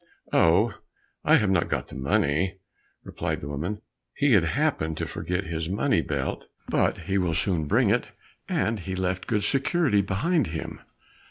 "Oh, I have not got the money," replied the woman; "he had happened to forget his money belt, but he will soon bring it, and he left good security behind him."